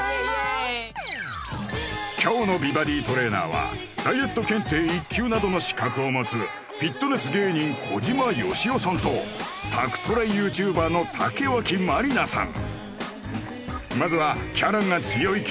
今日の美バディトレーナーはダイエット検定１級などの資格を持つフィットネス芸人小島よしおさんと宅トレＹｏｕＴｕｂｅｒの竹脇まりなさん